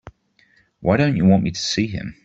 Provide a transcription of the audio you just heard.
Why don't you want me to see him?